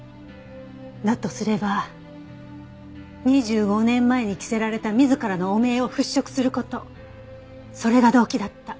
だとすれば２５年前に着せられた自らの汚名を払拭する事それが動機だった。